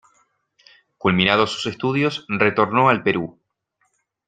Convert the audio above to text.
Culminado sus estudios, retornó al Perú.